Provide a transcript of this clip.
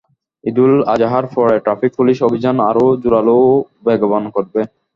ঈদুল আজহার পরে traffic police অভিযান আরও জোরালো ও বেগবান করবে।